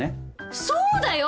そうだよ！？